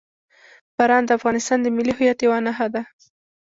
باران د افغانستان د ملي هویت یوه نښه ده.